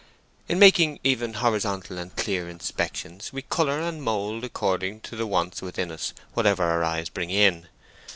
In making even horizontal and clear inspections we colour and mould according to the wants within us whatever our eyes bring in.